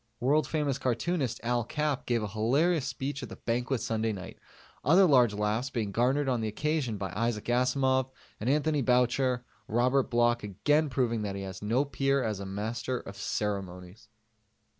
World famous cartoonist Al Capp gave a hilarious speech at the Banquet Sunday night, other large laughs being garnered on the occasion by Isaac Asimov and Anthony Boucher, Robert Bloch again proving that he has no peer as a Master of Ceremonies.